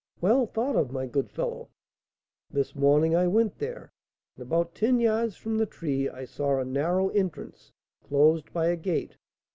"Well thought of, my good fellow." "This morning I went there, and about ten yards from the tree I saw a narrow entrance, closed by a gate.